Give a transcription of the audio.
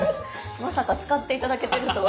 まさか使って頂けてるとは。